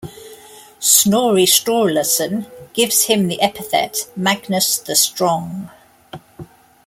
Snorri Sturlason gives him the epithet "Magnus the Strong".